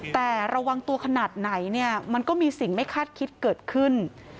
แต่ระวังตัวขนาดไหนเนี่ยมันก็มีสิ่งไม่คาดคิดเกิดขึ้น